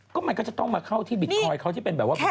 ก็มันก็จะต้องมาเข้าที่บิตคอยน์เขาที่เป็นแบบว่า